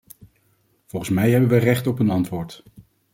Volgens mij hebben wij recht op een antwoord.